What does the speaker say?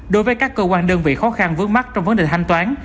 đối với các cơ quan đơn vị khó khăn vướng mắt trong vấn đề thanh toán